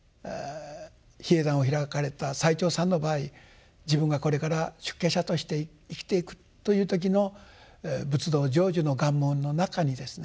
比叡山を開かれた最澄さんの場合自分がこれから出家者として生きていくという時の仏道成就の願文の中にですね